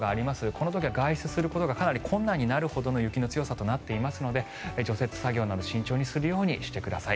この時は外出することがかなり困難になるほどの雪の強さとなっていますので除雪作業など慎重にするようにしてください。